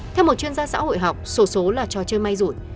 theo một chuyên gia xã hội học sổ số là cho chơi may rụi